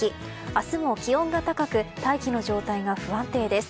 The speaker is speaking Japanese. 明日も気温が高く大気の状態が不安定です。